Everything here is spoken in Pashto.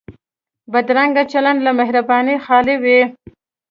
بدرنګه چلند له مهربانۍ خالي وي